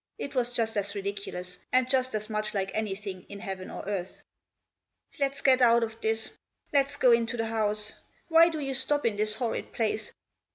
It was just as ridiculous, and just as much like anything in heaven or earth. " Lefs get out of this ; let's go into the house ; why do you stop in this horrid place